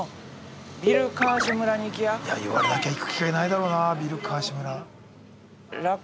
いや言われなきゃ行く機会ないだろうなビルカーシュ村。